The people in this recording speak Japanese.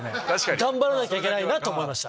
頑張らなきゃいけないな！と思いました。